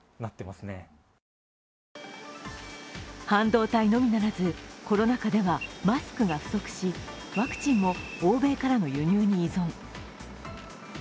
半導体のみならず、コロナ禍ではマスクが不足し、ワクチンも欧米からの輸入に依存。